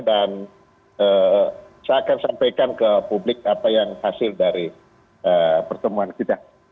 dan saya akan sampaikan ke publik apa yang hasil dari pertemuan kita